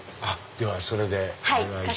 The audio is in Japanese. ではそれでお願いします。